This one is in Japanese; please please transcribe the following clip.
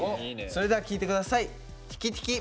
それでは聴いて下さい。